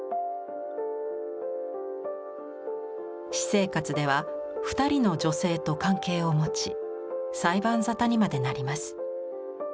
私生活では２人の女性と関係を持ち裁判沙汰にまでなります。